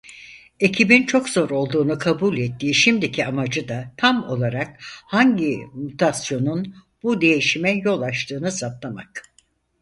Ekibin çok zor olduğunu kabul ettiği şimdiki amacı da tam olarak hangi mutasyonun bu değişime yol açtığını saptamak.